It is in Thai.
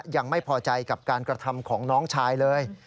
ยังไม่พอใจกับการกระทำของน้องชายเลย